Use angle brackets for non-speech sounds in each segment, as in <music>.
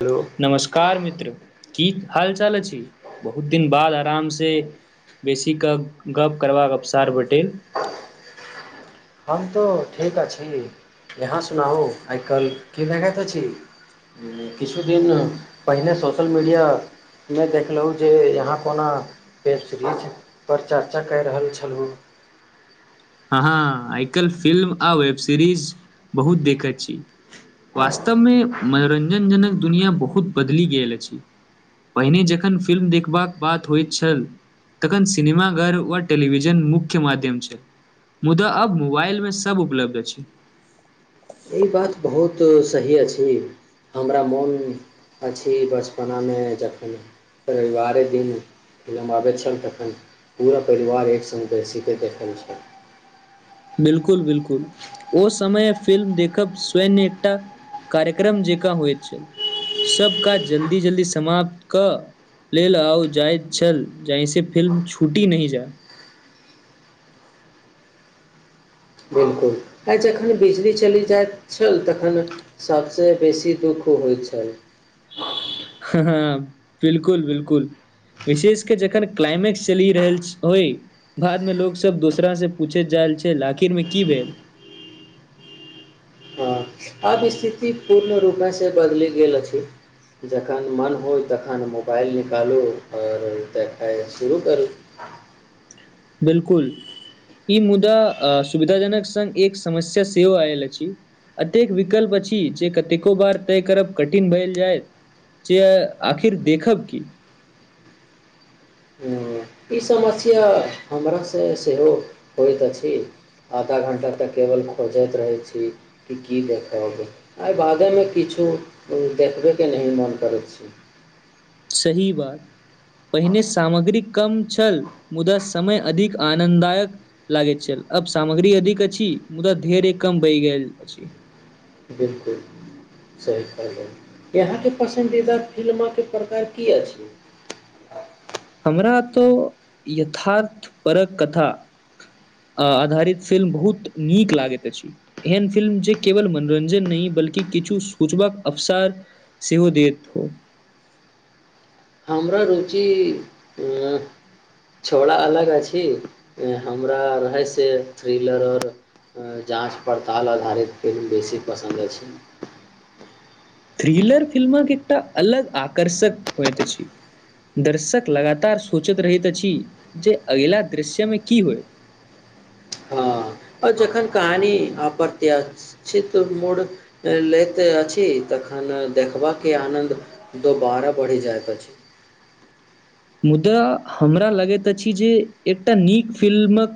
hello नमस्कार मित्र की हाल चाल अछि बहुत दिन बाद आराम से बेसी क गप करबाक अवसार भेटेल हम तो ठीक अछि यहाँ सुनाउ आइ काल्हि की भेैत अछि किछुदिन पहिने सोशल मीडिया नहि देखलहुँ जे यहाँ कोना वेब सीरीजपर चर्चा कए रहल छलहुँ <unintelligible> अहाँ आइ काल्हि फिल्म आ वेब सीरिज बहुत देखैत छी वास्तवमे मनोरंञ्जन जनक दुनिया बहुत बदलि गेल अछि पहिने जखन फिल्म देखबाक बात होइत छल तखन सिनेमा घर वा टेलीविजन मुख्य माध्यम छै मुदा अब मोबाइलमे सभ उपलब्ध अछि ई बात बहुत सही अछि हमरा मोन अछि बचपनामे जखन रविवारे दिन फिल्म आबैत छल तखन पूरा परिवार एक सङ्ग बैसी कऽ देखल छल बिल्कुल बिल्कुल ओ समय फिल्म देखब स्वैन्य एकटा कार्यक्रम जेका हुए छल सबका जल्दी जल्दी समाप्त कऽ ले ल आउ जाय छल जहिसँ फिल्म छूटी नहि जाय बिल्कुल आइ जखन बिजली चलि जाइत छल तखन सबस बेसी दुःख होय छल ह बिल्कुल बिल्कुल विशेषके जखन क्लाइमेक्स चलि रहल होइ बादमे लोक सब दोसरा से पूछैत जायल छल आखिरमे की भेल हँ आब स्थिति पूर्ण रूपमे से बदलि गेल अछि जखन मन होय तखन मोबाइल निकालू आओर देखाइ शुरू करू बिलकुल ई मुदा सुविधाजनक संग एक समस्या सेहो आयल अछि अतेक विकल्प अछि जे कतेको बार तय करब कठिन भएल जाइ जे आखिर देखब की हम्म, ई समस्या हमरासँ सेहो होइत अछि आधा घण्टा तऽ केवल खोजैत रहैत छी कि की देखब एहि बादेमे किछु किछु देखबैके नहि मोन करै छै <unintelligible> ही बात पहिने सामग्रीक कम छल मुदा समय अधिक आनन्ददायक लागैत छल अब सामग्री अधिक अछि मुदा धीरे कम बहि गेल अछि बिल्कुल इहे के पसन्दीदा फिल्मे प्रकार की अछि हमरा तऽ यथार्थ परक कथा अ आधारित फिल्म बहुत नीक लागैत अछि एहन फिल्म जे केवल मनोरंञ्जन नहि बल्कि किछु सूचबाक अवसर सेहो दैत हो हमरा रुचि ऊ ऊ छौड़ा अलग अछि हमरा रहै से थ्रिलर आओर जाँच पड़ताल आधारित फिल्म बेसी पसन्द अछि थ्रिलर फिल्मक एकटा अलग आकर्षक होइत अछि दर्शक लगातार सोचैत रहैत अछि जे अगिला दृश्यमे की होइ <inaudible> हँ आओर जखन कहानी अप्रत्यक्षित मोड़ लैत अछि त खन देखबाके आनन्द दोबारा बढ़ि जाइत अछि <inaudible> मुदा हमरा लगैत अछि जे एकटा नीक फिल्मक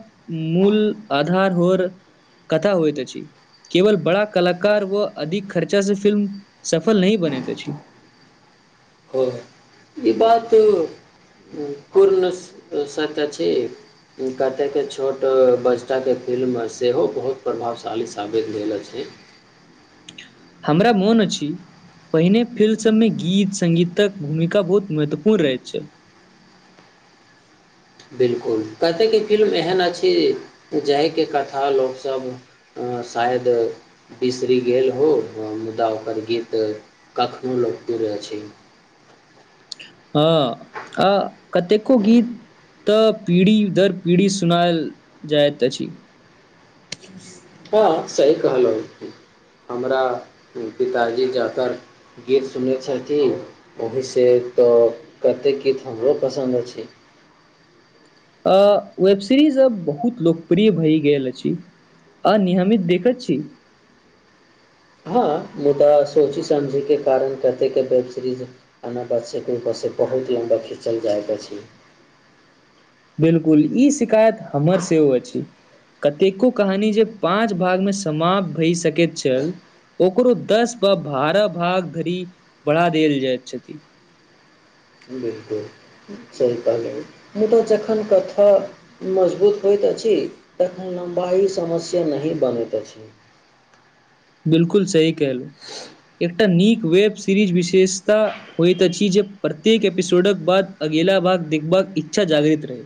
मूल आधा र होर कथा होइत अछि केवल बड़ा कलाकार व अधिक खर्चा से फिल्म सफल नहि बनैत अछि <inaudible> हं ई बात पूर्ण स त छै हुंनका तऽ एतेक छोट बच्चाके फिल्म सेहो बहुत प्रभावशाली साबित भेल अछि हमरा मोन अछि पहिने फिल्म सभमे गीत संगीतक भूमिका बहुत महत्वपूर्ण रहैत छल <inaudible> बिलकुल कतेके फिल्म एहन अछि जाहिके कथा लोकसभ शायद बिसरि गेल हो मुदा ओकर गीत कखनहु लोक अछि हँ आ कतेको गीत तऽ पीढ़ी दर पीढ़ी सुनायल जाइत अछि हँ सही कहलहुँ हमरा पिताजी जातर गीत सुनैत छथिन ओहिसँ तऽ कतेक गीत हमरो पसन्द अछि आ वेब सीरीज अब बहुत लोकप्रिय भए गेल अछि अ नियमित देखत छी हँ मुदा सोची समझी के कारण कहते के वेब सीरीज अना बचे को से बहुत लम्बा खिचल जाइत अछि बिलकुल ई शिकायत हमर सेहो अछि कतेको कहानी जे पाँच भागमे समाप्त भए सकैत छल ओकरो दस ब बारह भाग धरि बढ़ा देल जाइत छथि बिलकुल चलि पनि मुदा जखन कथा मजबूत होइत तखन लम्बाइ समस्या नहि बनैत अछि <inaudible> बिलकुल सही कहलुं एकटा नीक वेब सीरीज विशेषता होइत अछि जे प्रत्येक एपिसोडक बाद अ गीला भाग देखभाग इच्छा जागृत रहै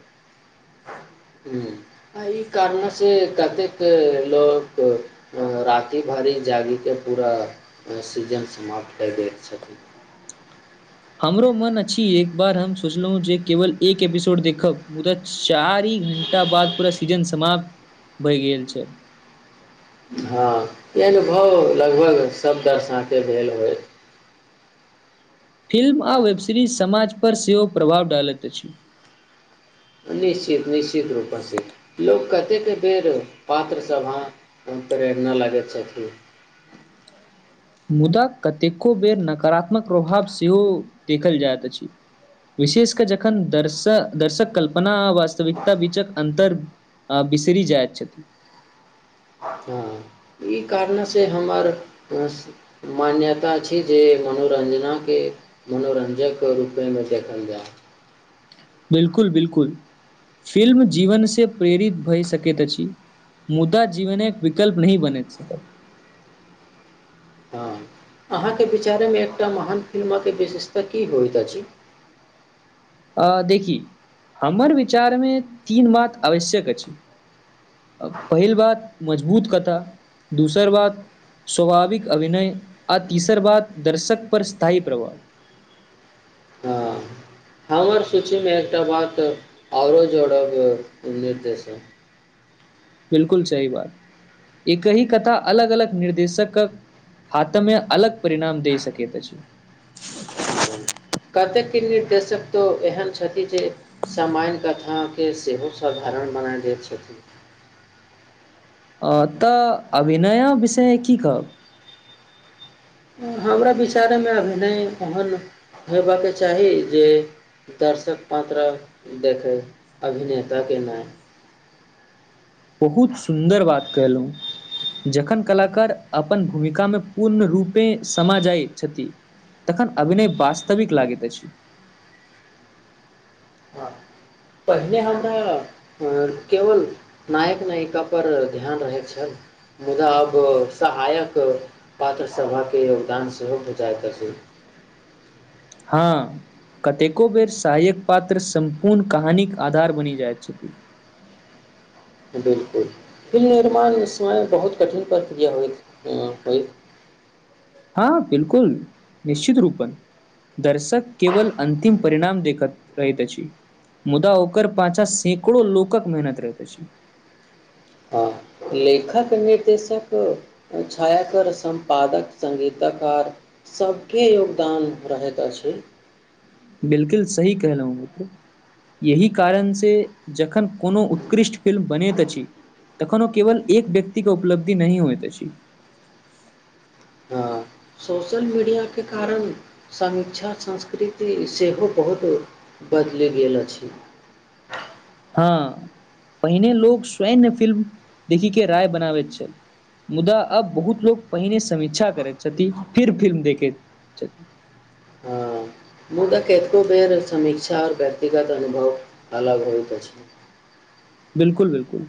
एहि कारण से कतेक लोक राति भरि ई जागिके पूरा सीजन समाप्त कर दै छथिन <unintelligible> हमरो मन अछि एक बार हम सोचलहुँ जे केवल एक एपिसोड देखब मुदा चारि घंटा बाद पूरा सीजन समाप्त भइ गेल छै हँ ई अनुभव लगभग सभ दर्शाके भेल होयत फिल्म आ वेब सीरिज समाज पर सेहो प्रभाव डालैत अछि निश्चित निश्चित रूपसँ लोक कतेक बेर पात्रसभ प्रेरणा लागै छथि <inaudible> मुदा कतेको बेर नकारात्मक प्रभाव सेहो देखल जाइत अछि विशेष क जखन दर्श दर्शक कल्पना आ वास्तविकता बीचक अन्तर आ बिसरि जायत छथि हू ई कारणसँ हमर मान्यता छी जे मनोरञ्जनाके मनोरञ्जकके रूपेमे देखल जाय बिलकुल बिलकुल फिल्म जीवन से प्रेरित भए सकैत अछि मुदा जीवन एक विकल्प नह बने छै हँ अहाँके विचारेमे एकटा महान फिल्मके विशेषता की होइत अछि <inaudible> आ देखि हमर विचारमे तीन बात आवश्यक अछि पहिल बात मजबूत कथा दूसर बात स्वभाविक अभिनय आ तीसर बात दर्शक पर स्थायी प्रभाव ह हमर सूचीमे एकटा बात आओरो जोड़बाक निर्देश बिलकुल सही बात एकहि कथा अलग अलग निर्देशकके हाथमे अलग परिणाम दे सकेत अच्छी कतेकके निर्देशक तो एहन छथि जे सामाय कथा के के सेहो साधारण बनाय द छथिन <inaudible> अ तऽ अभि न्या विषय की कहब हमरा विचारेमे अभिनाय ओहन हयबाक चाही जे दर्शक पाँात्र देखय अभिनेताके नाम बहुत सुन्दर बात कयलहुँ जखन कलाकार अपन भूमिकामे पूर्ण रूपे समा जाइत छथि तखन अभिनाय वास्तविक लागित अछि पहिने हमरा अं केवल नायक नायिकापर ध्यान रहैत छल मुदा अब सहायक पात्र सभाके योगदान सेहो बुझाइत अछि हँ कतेको बेर सहायक पात्र सम्पूर्ण कहानीके आधार बनि जाइत छथि बिल्कुल फिल्म निर्माण समय बहुत कठिन प्रक्रिया होइत होय हँ बिल्कुल निश्चित रूपें दर्शक केवल अन्तिम परिणाम देखत रहैत अछि मुदा ओकर पाँछा सैकड़ो लोकक मेहनत रहैत अछि हँ लेखक निर्देशक छायाकर सम्पादक संगीतकार सभके योगदान रहैत अछि बिल्कुल सही कहलहु मित्र यहि कारणसँ जखन कोनो उत्कृष्ट फिल्म बनैत अछि तखन ओ केवल एक व्यक्तिके उपलब्धि नहि होइत अछि हँ सोशल मीडियाके कारण समीक्षा संस्कृति सेहो बहुत बदलि गेल अछि हँ पहिने लोक स्वयं फिल्म देखिके राय बनाबैत छल मुदा आब बहुत लोग पहिने समीक्षा करैत छथि फिर फिल्म देखैत चल हँ मुदा कतेको बेर समीक्षा आओर व्यक्तिगत अनुभव अलग होइत अछि बिल्कुल बिल्कुल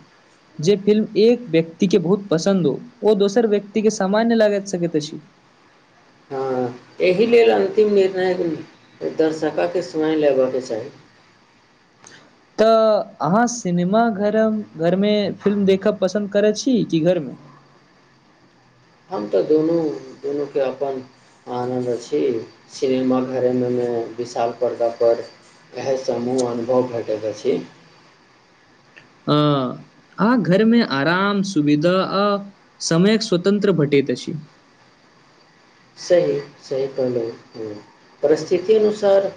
जे फिल्म एक व्यक्तिके बहुत पसन्द ओ दोसर व्यक्तिके सामान्य लागैत सकैत अछि हँ एहि लेल अन्तिम निर्णयक दर्शकके सुनाय लेबअके चाही तऽ अहाँ सिनेमा घर घरमे फिल्म देखब पसन्द करैत छी कि घरमे <inaudible> हम तऽ दुनू दुनूके अपन आनन्द अछि सिनेमा घरेमे विशाल पर्दापर इएहसँ हमूँह अनुभव भेटैत अछि <inaudible> हँ आ घरमे आराम सुविधा आ समय स्वतंत्र भेटैत अछि <inaudible> सही सही कहलू ह परिस्थिति अनुसार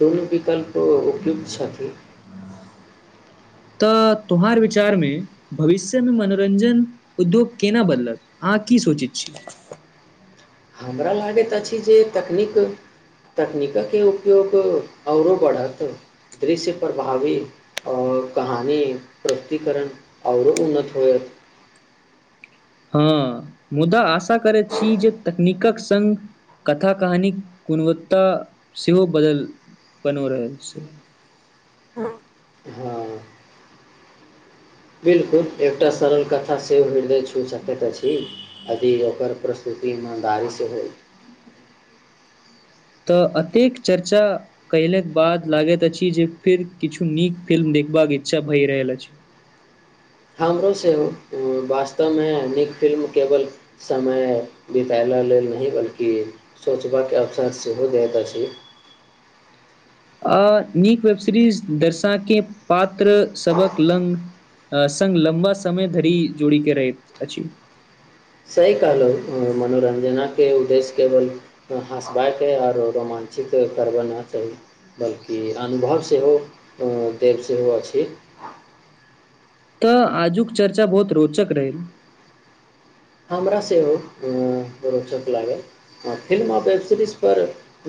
दुनु विकल्पो उपयुक्त छथिन <unintelligible> तऽ तुम्हार विचारमे भविष्यमे मनोरञ्जन उद्योग केना बदलत आ अहाँ की सोचै छी हमरा लागैत अछि जे तकनीक तकनीकके उपयोग आओरो बढ़त दृश्य प्रभावी आओर कहानी प्रस्तिकरण आओरो उन्नत होयत हँ मुदा आशा करैत छी जे तकनीकक संगङ्ग कथा कहानीक गुणवत्ता सेहो बदल बनो रहल छै हँ बिलकुल एकटा सरल कथा सेहो हृदय छू सकैत अछि जी ओकर प्रस्तुति ईमानदारी सँ होय तऽ अतेक चर्चा कयलक बाद लागैत अछि जे फेर किछु नीक फिल्म एक बाग इच्छा भई रहल अछि हमरो सब वास्तव मे नीक फिल्म केवल समय बिताब ओकरा ल नीक व्यक्ति अछि सोचबाक अवसर सेहो रहैत अछि <inaudible> आ-आ नीक वेब सीरीज दर्शा केँ पात्र सभक लंग अ संग लम्बा समय धरि जोड़ी केँ रहैत अछि सही कहलहु मनोरञ्जनक उद्देश्य केवल हँसबाक आऔर रोमान ठीको करबना चाही बल्कि अनुभव सेहो देव सेहो अछि <unintelligible> तऽ आजुक चर्चा बहुत रोचक रह हमरा सेहो अ-अ-अ रोचक लागल आ फिल्म आ वेब सीरीज पर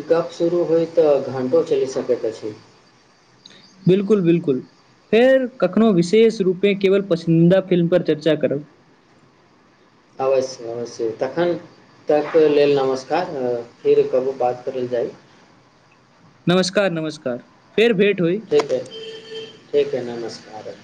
कप शुरू होइ तऽ घण्टो चलि सकैत अछि बिलकुल बिलकुल फेर कखनो विशेष रूपे केवल पसिन्दा फिल्म पर चर्चा करब अवश्य अवश्ये तखन ताके लेल नमस्कार तऽ फेर कहबू बात करल जाइ नमस्कार नमस्कार फेर भेट होइ ठीक है ठीक है नमस्कार अब